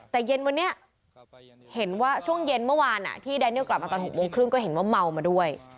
แต่เย็นวันนี้เห็นว่าช่วงเย็นเมื่อวานที่แดเนียลกลับมาตอน๖โมงครึ่งก็เห็นว่าเมามาด้วย